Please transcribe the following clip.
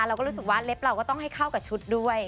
เราก็รู้สึกว่าเล็บเราก็ต้องให้เข้ากับชุดด้วย